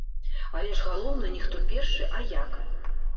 Але ж галоўнае, не хто першы, а як.